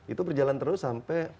itu berjalan terus sampai